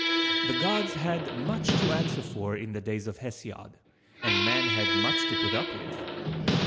The gods had much to answer for in the days of Hesiod, and man had much to put up with.